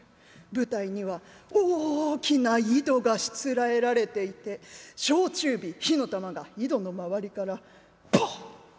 舞台には大きな井戸がしつらえられていて焼酎火火の玉が井戸の周りからポッ！